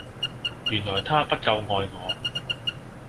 原來她不夠愛我